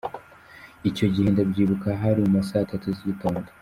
Icyo gihe ndabyibuka hari mu masaa tatu z’igitondo ».